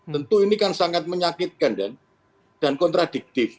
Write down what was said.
tentu ini kan sangat menyakitkan dan kontradiktif